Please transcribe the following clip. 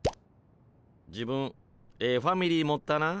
自分ええファミリー持ったな。